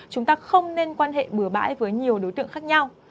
chúng ta không nên quan hệ bừa bãi với nhiều đối tượng khác nhau